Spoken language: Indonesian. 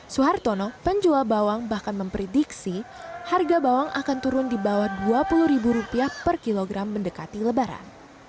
suhartono penjual bawang bahkan memprediksi harga bawang akan turun di bawah rp dua puluh per kilogram mendekati lebaran